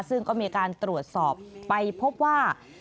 ซึ่งก็มีการตรวจสอบไปพบว่า